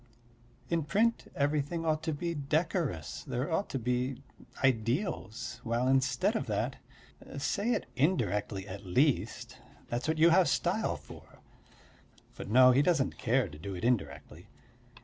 In print everything ought to be decorous; there ought to be ideals, while instead of that.... Say it indirectly, at least; that's what you have style for. But no, he doesn't care to do it indirectly.